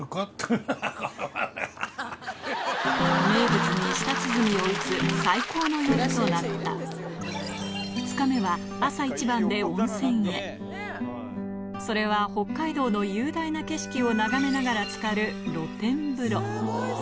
名物に舌鼓を打つ最高の夜となった２日目は朝一番で温泉へそれは北海道の雄大な景色を眺めながらつかる露天風呂スゴいすてき！